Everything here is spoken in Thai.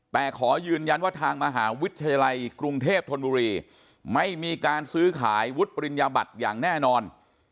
แต่ขอยืนยันว่าทางมหาวิทยาลัยกรุงเทพธนบุรีไม่มีการซื้อขายวุฒิปริญญาบัตรอย่างแน่นอน